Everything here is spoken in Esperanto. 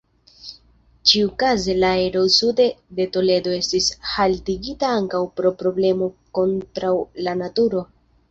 Ĉiukaze la ero sude de Toledo estis haltigita ankaŭ pro problemoj kontraŭ la naturo.